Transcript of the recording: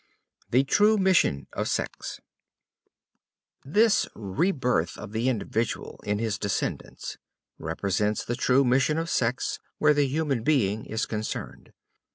THE TRUE MISSION OF SEX This rebirth of the individual in his descendants represents the true mission of sex where the human being is concerned.